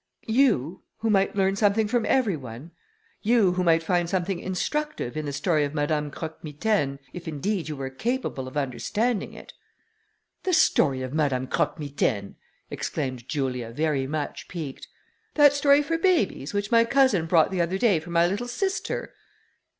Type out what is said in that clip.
"You, who might learn something from every one! You, who might find something instructive in the story of Madame Croque Mitaine, if indeed, you were capable of understanding it!" "The story of Madame Croque Mitaine!" exclaimed Julia, very much piqued: "that story for babies, which my cousin brought the other day for my little sister?"